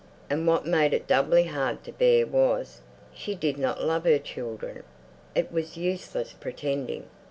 And what made it doubly hard to bear was, she did not love her children. It was useless pretending.